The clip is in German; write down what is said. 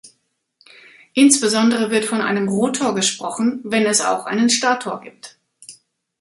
Insbesondere wird von einem Rotor gesprochen, wenn es auch einen Stator gibt.